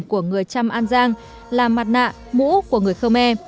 của người trăm an giang là mặt nạ mũ của người khơ me